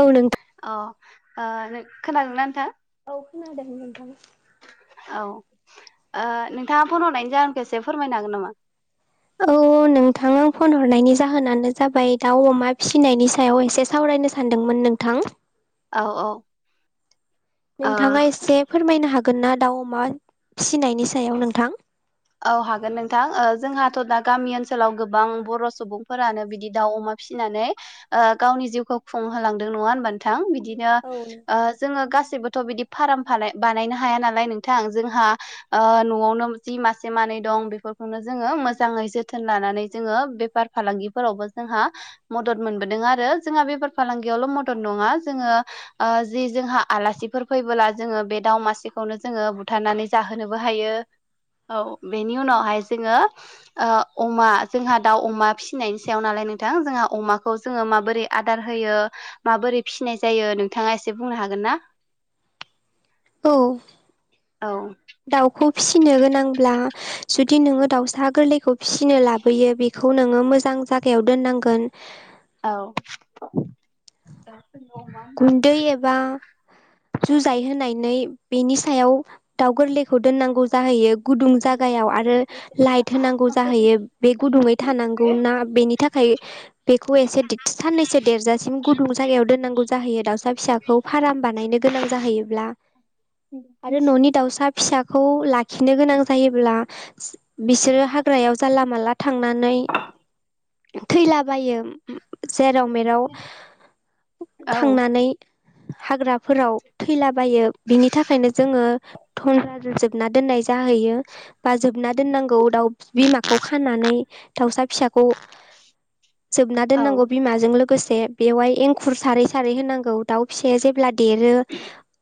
औ नोंथां [unintelligible] खोनादोंना नोंथां? औ खोनादों नोंथां। औ, नोंथाङा फन हरनायनि जाहोनखौ एसे फोरमायनो हागोन नामा? औ। नोंथां आं फन हरनायनि जाहोनानो जाबाय- दाउ- अमा फिसिनायनि सायाव एसे सावरायनो सानदोंमोन। नोंथां। औ, औ। ओ नोंथाङा एसे फोरमायनो हागोना? दाउ, अमा फिनायनि सायाव नोंथां। औ हागोन नोंथां ।ओ जोंहाथ' दा गामि ओनसोलाव गोबां बर' सुबुंफोरानो बिदि दाउ, अमा फिसिनानै [unintelligible] गावनि जिउखौ खुंहोलांदों नङा होनबा नोंथां [unintelligible] बिदिनो‌ औ ओ नोंथां। जोङो गासिबो थ' बिदि फार्म फा-बानायनो हाया नालाय नोंथां। जोंहा ओ न'आवनो जि [unintelligible] मासे, मानै दं बेफोरखौनो जोङो मोजाङै जोथोन लानानै जोङो बेफार -फालांगिफोरावबो जोंहा मदद मोनबोदों आरो ।जोंहा बेफार -फालांगियावल' मदद नङा जोङो ओ जि जोंहा [unintelligible] आलासिफोर फैबोला जोङो बे दाव मासेखौनो जोङो बुथारनानै जाहोनोबो हायो। औ बेनि उनावहाय जोङो ओ अमा ।जोंहा दाउ अमा फिसिनायनि सायाव नालाय नोंथां जोंहा अमाखौ जोङो माबोरै आदार होयो? माबोरै फिसिनाय जायो नोंथाङा एसे बुंनो हागोन [unintelligible] [unintelligible] [unintelligible] औ। औ। दाउखौ फिसिनो गोनांब्ला, जुदि नोङो दाउसा गोरलैखौ फिसिनो लाबोयो बेखौ [unintelligible] नोङो मोजां जायगायाव दोननांगोन। औ औ। गुन्दै एबा जुजाय होनायानै बेनि सायाव दाउ गोरलैखौ दोननांगौ जाहैयो। गुदुं जागायाव आरो लाइट होनांगौ जाहैयो। बे गुदुङै थानांगौ ना बेनि थाखाय [unintelligible] बेखौ एसे साननैसो देरजासिम गुदुं जायाव दोननांगौ जायो। दाउसा फिसाखौ फार्म बानायनो गोनां जाहैयोब्ला, आरो न'नि दाउसा फिसाखौ लाखिनो गोनां जायोब्ला। बिसोरो हाग्रायाव जानला -मानला थांनानै थैलाबायो जेराव मेराव औ थांनानै हाग्राफोराव थैलाबायो बिनि थाखायनो जोङो थनज जोबना दोननाय जाहैयो बा जोबना दोननांगौ दाउ बिमाखौ खानानानै दावसा फिसाखौ जोबना औ दोननांगौ बिमाजों लोगो गोसे बेवहाय एंखुर सारै सारै होनांगौ दाउ फिसाया जेब्ला देरो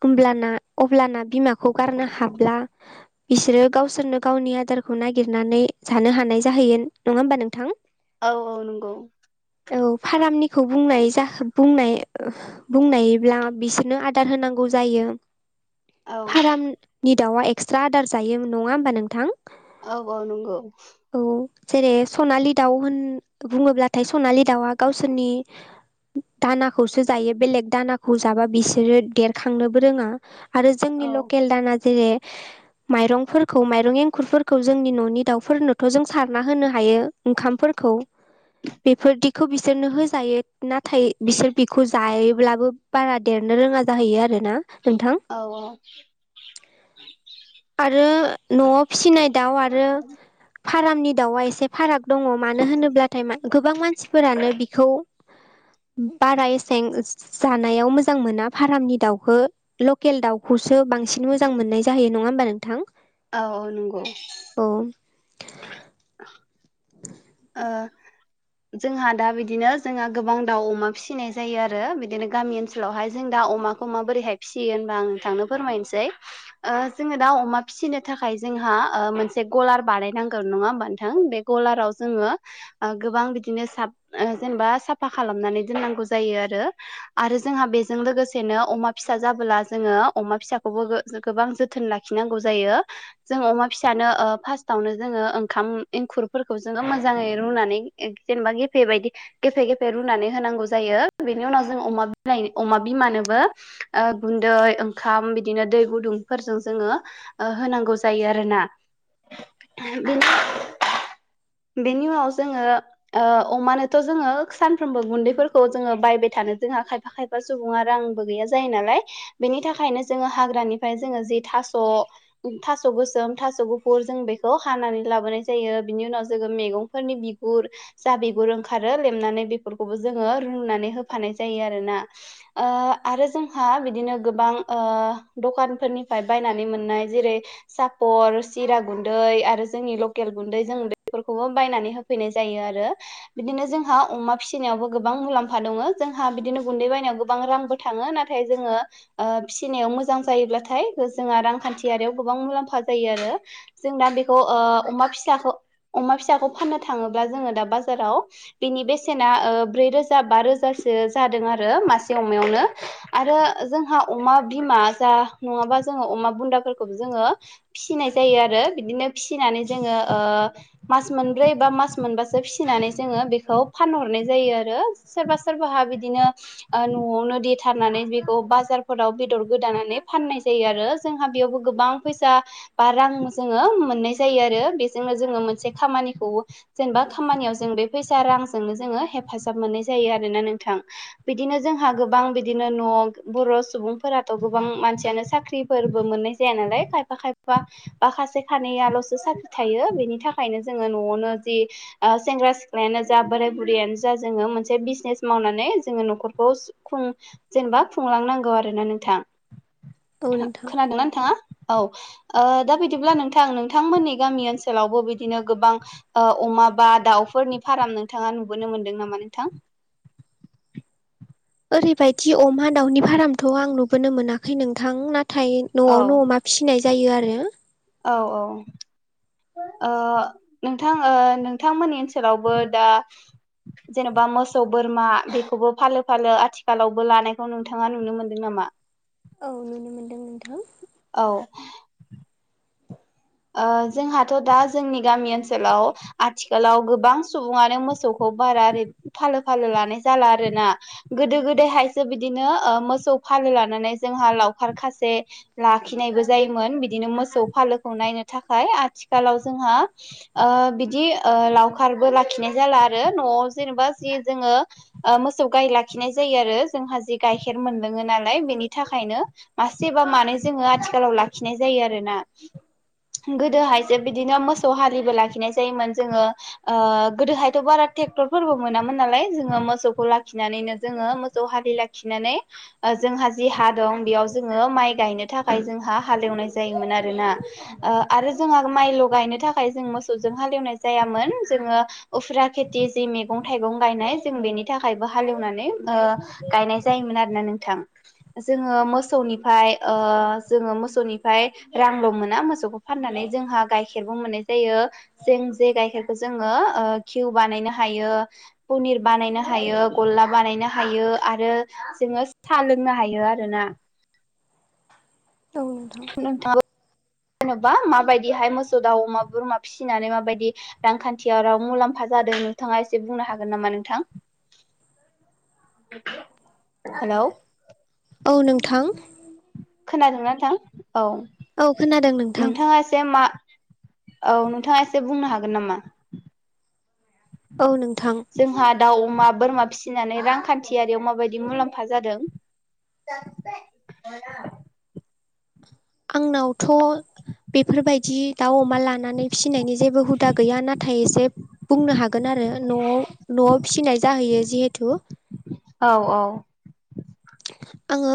होमब्लाना अब्लाना बिमाखौ गारनो हाब्ला बिसोरो गावसोरनो गावनि आदारखौ नागिरनानै जानो हानाय जाहैगोन नङा होमबा नोंथां औ औ नंगौ औ फारामनिखौ बुंनाय जा बुंनाय बुंनायब्ला बिसोरनो आदार होनांगौ जायो औ फाराम नि दाउआ एक्सट्रा आदार जायो नङा होनोमबा नोंथां औ जेरै सनालि दाउ होन बुङोब्लाथाय सनालि दाउआ गावसोरनि दाना खौसो जायो बेलेग दानाखौ जाबा बिसोरो देरखांनोबो रोङा आरो जोंनि औ लकेल दाना जेरै माइरंफोरखौ माइरं एंखुरफोरखौ जोंनि न'नि दाउफोरनोथ' जों सारना होनो हायो ओंखामफोर खौ बेफोरदिखौ बिसोरनो होजायो नाथाय बिसोर बेखौ जायोब्लाबो बारा देरनो रोङा जाहैयो आरो ना औ औ आरो न'आव फिसिनाय दाउ आरो फार्मनि दाउआ एसे फाराग दङ मानो होनोब्लाथाय गोबां मानसिफोरानो बिखौ [inaudible] बारा एसें जानायाव मोजां मोना फारामनि दाउखौ लकेल दाउखौसो बांसिन मोजां मोननाय जायो नङा होमबा नोंथां औ औ नंगौ औ [inaudible] ओ जोंहा दा बिदिनो जोंहा गोबां दाउ अमा फिसिनाय जायो आरो बिदिनो गामि ओनसोलावहाय जों दा अमाखौ माबोरैहाय फियोबा होनबा नोंथांनो फोरमायनोसै ओ जोङो दा अमा फिसिनो थाखाय जोंहा मोनसे गलार बानायनांगोन नङा होमबा नोंथां बे गलाराव जोङो ओ गोबां बिदिनो साब जेनेबा ओ साफा खालामनानै दोननांगौ जायो आरो आरो जोंहा बेजों लोगोसेनो अमा फिसा जाबोला जोङो अमा फिसाखौबो गोबां जोथोन ला लाखिनांगौ जायो जों अमा फिसानो ओ फासथावनो ओंखाम एंखुरफोरखौ जोङो मोजांङै रुनानै जेनेबा गेफे बायदि गेफे गेफे रुनानै होनांगौ जायो बेनि उनाव जों अमा बि अमा बिमानोबो गुन्दै ओंखाम बिदिनो दै गुदुंफोरजों जोंङो होनांगौ जायो आरोना बिनि बेनि उनाव जोङो ओ अमानोथ' जोङो सानफ्रोमबो गुन्दैफोरखौ जोङो बायबाय थानो जोंहा खायफा खायफा सुबुङा रांबो गैया जायो नालाय बेनि थाखायनो जोङो हाग्रानिफ्राय जोङो जे था स' थास' गोसोम थास' गुफुर जों बेखौ हानानै लाबोनाय जायो बिनि उनाव जोङो मैगंफोरनि बिगुर जा बिगुर ओंखारो लेमनानै बेफोरखौबो जोङो रुनानै होफानाय जायो आरोना ओ आरो जोंहा बिदिनो गोबां ओ दखानफोरनिफाय बायनानै मोननाय जेरै सापर सिरा गुन्दै आरो जोंनि लकेल गुन्दै जों बे बेफोरखौबो बायनानै होफैनाय जायो आरो बिदिनो जोंहा अमा फिसिनायावबो गोबां मुलाम्फा दङो जोंहा बिदिनो गुन्दै बायनायाव गोबां रांबो थाङो नाथाय जोङो ओ फिसिनायाव मोजां जायोब्लाथाय जोंहा रांखान्थियारियाव गोबां मुलाम्फा जायो आरो जों दा बेखौ ओ अमा फिसाखौ अमा फिसाखौ फाननो थाङोब्ला जोङो दा बाजाराव बिनि बेसेना ओ ब्रै रोजा बा रोजासो ओ जादों आरो मासेमनो आरो जोंहा अमा बिमा जा नङाबा जो जों अमा बुन्दाफोरखौ जोङो फिसिनाय जायो आरो बिदिनो फिसिनानै जोङो ओ मास मोनब्रै बा मास मोनबासो फिसिनानै जोङो बेखौ फानहरनाय जायो आरो सोरबा सोरबा बिदिनो न'आवनो देथारनानै बेखौ बाजारफोराव बेदर गोदानानै फाननाय जायो आर रो जोंहा बेयावबो गोबां फैसा बा रां जोङो मोननाय जायो आरो बेजोंनो जोङो मोन से खामानिखौ जेनेबा खामानियाव जों बे फैसा रांजोंनो जोङो हेफाजाब मोननाय जायो आरोना नों थां बिदिनो जोंहा गोबां बिदिनो न' बर' सुबुंफोराथ' गोबां मानसियानो साख्रि फोरबो मोननाय जाया नालाय खायफा खायफा बा खासे खानैयाल'सो साख्रि थायो बेनि थाखाय खायनो जोङो न'वावनो जि ओ सेंग्रा सिख्लायानो जा बोराय बुरैयानो जा जोङो मोनसे बिजनेस माव नानै जोङो न'खरखौ जेनेबा खुंलांनांगौ आरोना नोंथां। औ नोंथां खोनादोंना नोंथाङा? औ ओ दा बिदिब्ला नोंथां नोंथांमोननि गामि ओनसोलावबो बिदि दिनो गोबां ओ अमा बा दाउफोरनि फाराम नोंथाङा नुबोनो मोनदों नामा नोंथां? [inaudible] ओरैबायदि अमा दाउनि फारामथ' आं नुबोनो मोनाखै नोंथां ना थाय औ न'वावनो अमा फिनाय जायो आरो। औ औ ओ नोंथां ओ नोंथांमोननि ओनसोलावबो दा जेन'बा मोसौ बोरमा बेखौबो फालो फालो आथिखालावबो लानायखौ नोंथाङा नुनो मोनदों ना मा? औ नुनो मोनदों नोंथां। औ ओ जोंहाथ' दा जोंनि गामि ओनसोलाव आथिखालाव गोबां सुबुङानो मोसौखौ बा रा ओरै फालो फालो लोनाय जाला आरोना गोदो हायसो बिदिनो ओ मोसौ फालो लानानै जोंहा लावखार खासे लाखिनायबो जायोमोन बिदिनो मोसौ फालोखौ नायनो थाखाय आथिखालाव जोंहा ओ बिदि ओ लावखारबो लाखिनाय जाला आरो‌ न' नवाव जेनेबा जि जोङो ओ मोसौ गाइ लाखिनाय जायो आरो जोंहा जि गाइखेर मोनलोङो नाल लाय बेनि थाखायनो मासेबा मानै जोङो आथिखालाव लाखिनाय जायो आरोना। गोदोहायसो बिदिनो मोसौ हालिबो लाखिनाय जायोमोन जोङो ओ गोदोहायथ' बारा थेक क्टरबो मोनामोन नालाय जोङो मोसौखौ लाखिनानैनो जोङो मोसौ हालि लाखिनानै ओ जों जोंहा जि हा दं बेयाव जोङो माइ गायनो थाखाय जोंहा हालेवनाय जायोमोन आरोना। ओ आरो जोंहा माइल'गायनो थाखाय जों मोसौजों हालेवनाय जायामोन जोङो उफ्रा खेथि जि मैगं-थाइगं गायनाय जों बेनि थाखायबो हालेवनानै ओ गायनाय जायोमोन आरोना नोंथां। जोङो मोसौनिफाय ओ जोङो मोसौनिफाय रांल' मोना मोसौ फानानै जोंहा गाइखेरबो मोननाय जायो जों जे गाइेरखौ जोङो ओ घिउ बानाय नो हायो पुनिर बानायनो हायो गल्ला बानायनो हायो आरो जोङो सा लोंनो हायो आरोना। औ नोंथां नोंथाङाबो [inaudible] जेन'बा माबायदिहाय मोसौ, दावउ, अमा, बोरमा फिसिनानै माबायदि रांखान्थि राव मुलाम्फा जादों नोंथाङा एसे बुंनो हागोन नामा नोंथां? [inaudible] हेल' औ नोंथां खोनादोंना नोंथां औ औ खोनादों नोंथां नोंथाङा इसे मा औ नोंथाङा एसे बुंनो हागोन नामा? औ नोंथां जोंहा दाउ, अमा बोरमा फिनानै रांखान्थियारियाव माबायदि मुलाम्फा जादों [unintelligible] आंनावथ' बेफोरबायदि दाउ, अमा लानानै फिनायनि जेबो हुदा गैया नाथाय एसे बुंनो हागोन आरो न'वाव न'वाव फिनाय जाहै यो जिहेथु। औ औ आङो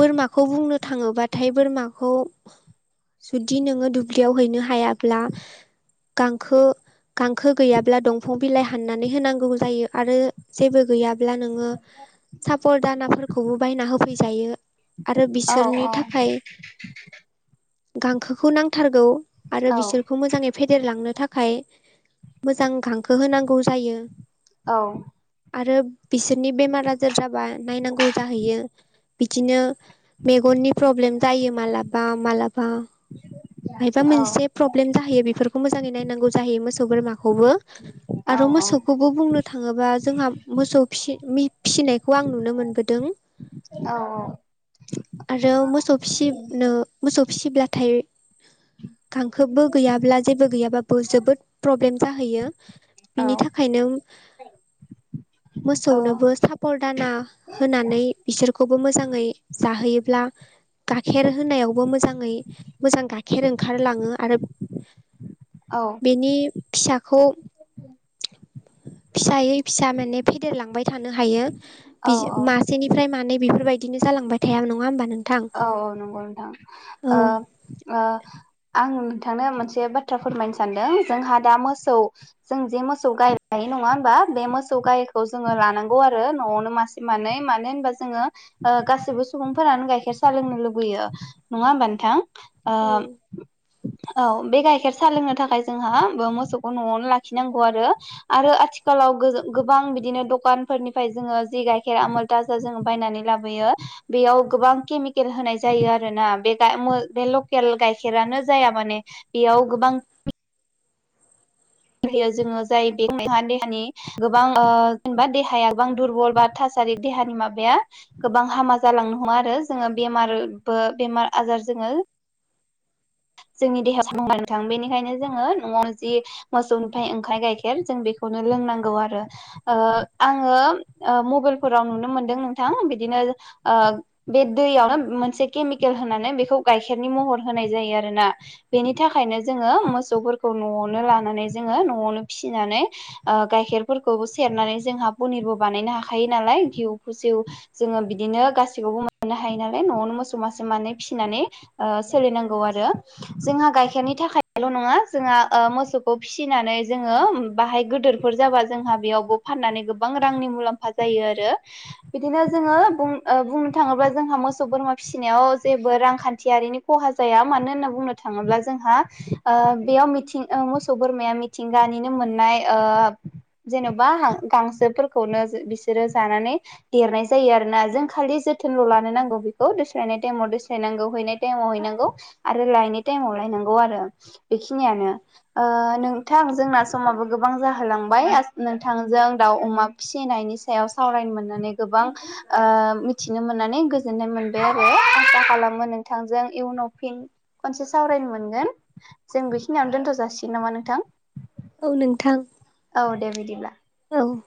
बोरमाखौ बुंनो थाङोबाथाय बोरमाखौ जुदि नोङो दुब्लियाव हैनो हायाब्ला गांखो गांखो गैयाब्ला दंफां बिलाइ हाननानै होनांगौ जायो आरो जेबो गैयाब्ला नोङो साफल दानाफोरखौबो बायना होफैजायो। आरो औ बिसोरनि थाखाय गांखोखौ नांथारगौ आरो औ बिसोरखौ मोजाङै फेदेरलांनो थाखाय मोजां गांखो होनांगौ जायो। औ। आरो बिसोरनि बेमार आजार जाबा नायनांगौ बियो बिदिनो मेगननि प्रब्लेम जायो मालाबा मालाबा। मायबा औ मोनसे प्रब्लेम जाहैयो बेफोरखौ मोजाङै नायनांगौ जाहैयो मोसौ बोरमाखौबो। औ आरो मोसौखौबो बुंनो थाङोबा जोंहा मोसौ फिसि फिसिनायखौ आं नुनो मोनबोदों। आरो मोसौ फिसिनो मोसौ फिसिब्लाथाय गांखोबो गैयाब्ला जेबो गैयाबा बो जोबोद प्रब्लेम जाहैयो बिनि थाखायनो मोसौनोबो सापर दाना होनानै बिसोरखौबो मोजाङै जाहोयोब्ला गाखेर होनायावबो मोजाङै मोजां गाइखेर ओंखारलाङो आरो औ बेनि फिसाखौ [inaudible] फिसायै फिसा माने फेदेरलांबाय थानो हायो औ औ मासेनिफ्राय मानै बेफोरबायदिनो जालांबाय थाया नङा होमबा नों औ औ नंगौ नोंथां ओ ओ आं नोंथांनो मोनसे बाथ्रा फोरमायनो सानदों जोंहा दा मोसौ जों जे मोसौ गाय लायो नङा होमबा? बे मोसौ गायखौ जोङो लानांगौ आरो न'आवनो मासे मानै मानो होनोबा जोङो गासिबो सुबुंफोरानो गाइखेर सा लोंनो लुबैयो नङा होमबा नोंथां ओ औ बे गाइखेर सा लोंनो थाखाय जोंहा मोसौखौ न'आवनो लाखिनांगौ आरो आरो आथिखालाव गो गोबां बिदिनो दखानफोरनिफ्राय जोङो जि गायखेर आमोल थाजा जोङो बायनानै लाबोयो बेयाव गोबां केमि केल होनाय जायो आरोना बे गाय बे लकेल गाइखेरानो जाया माने बेयाव गोबां [inaudible] होयो जोङो जाय बेहा [unintelligible] देहानि गोबां ओ जेनेबा देहाया गोबां दुरबल बा था सारि देहानि माबाया गोबां हामा जालांनो हमो आरो जोङो बेमारबो बेमार आजार जोङो [inaudible] जोंनि देहाखौ [unintelligible] थां बेनिखायनो जोङो न'आव जि मोसौनिफ्राय ओंखाय गाइखेर जों बेखौनो लोंनांगौ आरो ओ आंङो ओ म बेलफोराव नुनो मोनदों नोंथां बिदिनो ओ बे दैयावनो मोनसे केमिकेल होनानै बेफोर खौ गाइखेरनि महर होनाय जायो आरोना बेनि थाखायनो जोङो मोसौफोरखौ न'आवनो ला नानै जोङो न'आवनो फिसिनानै ओ गाइखेरफोरखौबो सेरनानै जोंहा पनिरबो बानायनो हाखायो। नालाय घिउ फुसिउ जोङो बिदिनो गासिखौबो मोननो हायो नालाय न'आवनो मोसौ मासे मानै फिसिना नानै ओ सोलिनांगौ आरो जोंहा गाइखेरनि थाखायल' नङा जोंहा ओ मोसौ फिसिनानै जोङो बाहाय गोदोरफोर जाबा जोंहा बेयावबो फाननानै गोबां रांनि मुलाम्फा जा यो आरो बिदिनो जोङो बुं ओ बुंनो थाङोब्ला जोंहा मोसौ बोरमा फिसिनायाव जेबो रां रांखान्थियारिनि खहा जाया मानो होनना बुंनो थाङोब्ला जोंहा ओ बेयाव मिथिं ओ मो सौ बोरमाया मिथिंगानिनो मोननाय ओ जेन'बा गांसोफोरखौनो बिसोरो जानानै देरनाय जायो आरोना जों खालि जो थोनल' लानो नांगौ बेखौ दोस्लायनाय टाइमाव दोस्लायनांगौ हैनाय टाइमाव हैनांगौ आरो लायनाय टाइमाव लाय नांगौ आरो बेखिनियानो। ओ नोंथां जोंना समाबो गोबां जाहोलांबाय नोंथांजों दाउ अमा फिसिनायनि सायाव सावरायनो मोननानै गोबां ओ मिथिनो मोननानै गोजोननाय मोनबाय आरो आं खालामो नोंथांजों युनाव फिन खनसे सावरायनो मोनगोन जों बेखिनियावनो दोनथ' जासिगोन थिग नामा नोंथां औ नोंथां औ दे बिदिब्ला द